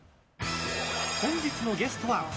本日のゲストは。